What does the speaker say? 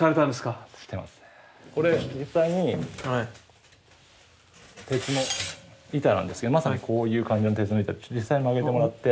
これ実際に鉄の板なんですけどまさにこういう感じの鉄の板で実際に曲げてもらって。